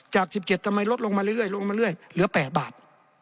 จาก๑๗ทำไมลดลงมาเรื่อยลงมาเรื่อยเหลือ๘บาท